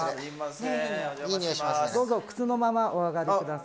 どうぞ靴のままお上がりください。